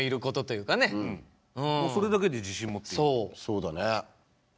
そうだね。